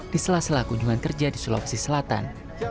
di sela sela kunjungan kerja di sulawesi selatan